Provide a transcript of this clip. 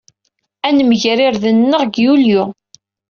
Ad nemger irden-nneɣ deg Yulyu.